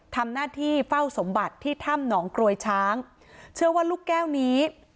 ทำหน้าที่เฝ้าสมบัติที่ถ้ำหนองกรวยช้างเชื่อว่าลูกแก้วนี้